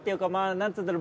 なんつうんだろう？